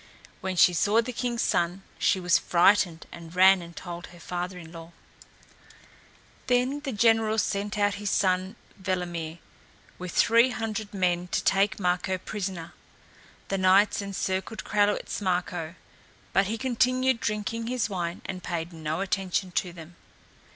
When she saw the king's son she was frightened and ran and told her father in law. Then the general sent out his son Velimir with three hundred men to take Marko prisoner. The knights encircled Kralewitz Marko, but he continued drinking his wine and paid no attention to them.